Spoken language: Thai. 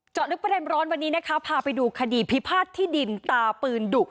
ลึกประเด็นร้อนวันนี้นะคะพาไปดูคดีพิพาทที่ดินตาปืนดุ